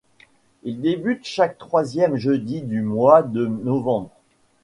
Il débute chaque troisième jeudi du mois de novembre.